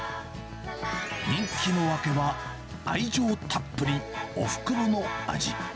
人気の訳は、愛情たっぷりおふくろの味。